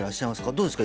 どうですか？